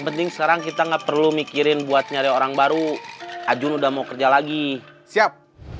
penting sekarang kita nggak perlu mikirin buat nyari orang baru ajun udah mau kerja lagi siap